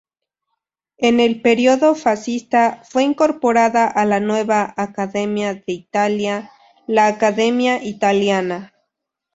En el período fascista, fue incorporada a la nueva "Accademia d'Italia", la Academia Italiana.